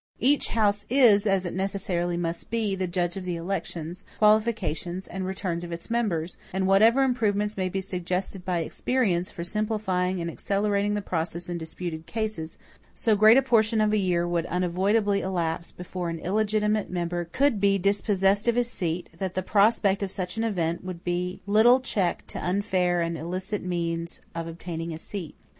Each house is, as it necessarily must be, the judge of the elections, qualifications, and returns of its members; and whatever improvements may be suggested by experience, for simplifying and accelerating the process in disputed cases, so great a portion of a year would unavoidably elapse, before an illegitimate member could be dispossessed of his seat, that the prospect of such an event would be little check to unfair and illicit means of obtaining a seat.